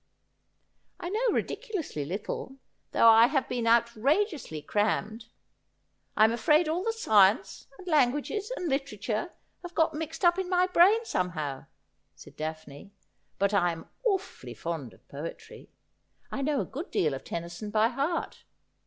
' I know ridiculously little, though I have been outrageously crammed. I'm afraid all the sciences and languages and litera ture have got mixed up in my brain, somehow,' said Daphne ;' but I am awfully fond of poetry. I know a good deal of Tennyson by heart.